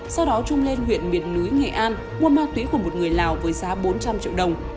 sau đó trung lên huyện miền núi nghệ an mua ma túy của một người lào với giá bốn trăm linh triệu đồng